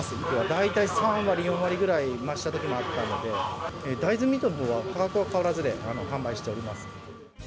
大体３割、４割ぐらい、増したときもあったので、大豆ミートのほうは価格は変わらずで販売しております。